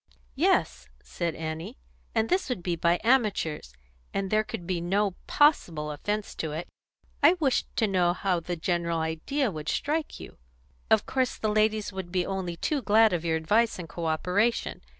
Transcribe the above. "Yes," said Annie, "and this would be by amateurs, and there could be no possible 'offence in it.' I wished to know how the general idea would strike you. Of course the ladies would be only too glad of your advice and co operation.